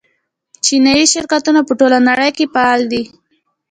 چیني شرکتونه په ټوله نړۍ کې فعال دي.